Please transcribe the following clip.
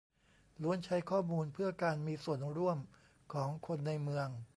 ล้วนใช้ข้อมูลเพื่อการมีส่วนร่วมของคนในเมือง